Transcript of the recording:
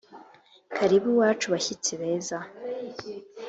Karibu iwacu bashyitsi beza